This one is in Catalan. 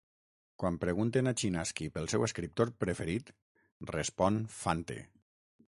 Quan pregunten a Chinaski pel seu escriptor preferit, respon Fante.